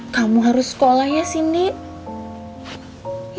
kamu harus sekolah ya sindi